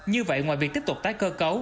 như vậy ngoài việc tiếp tục tái cơ cấu